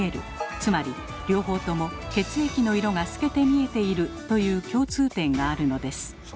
つまり両方とも血液の色が透けて見えているという共通点があるのです。